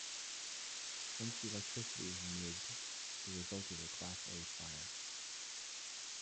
Once the electricity is removed, the result is a Class A fire.